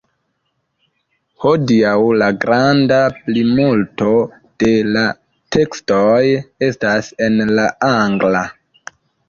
Hodiaŭ la granda plimulto de la tekstoj estas en la angla.